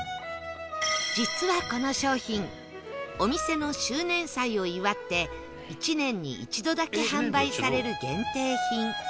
実はこの商品お店の周年祭を祝って１年に１度だけ販売される限定品